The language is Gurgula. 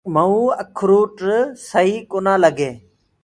مؤُنٚ اکروٽ سئي ڪونآ لگينٚ۔